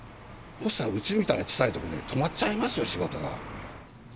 そしたら、うちみたいな小さい所は止まっちゃいますよ、仕事が。